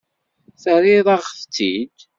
Terriḍ-aɣ-tt-id.